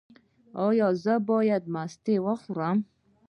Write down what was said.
ایا زه باید مستې وخورم؟